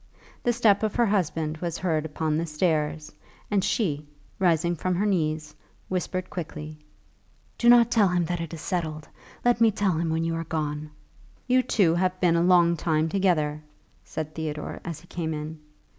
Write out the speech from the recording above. The step of her husband was heard upon the stairs, and she, rising from her knees, whispered quickly, "Do not tell him that it is settled. Let me tell him when you are gone." "You two have been a long time together," said Theodore, as he came in.